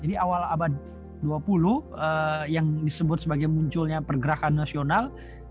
jadi awal abad dua puluh yang disebut sebagai munculnya pergerakan nasional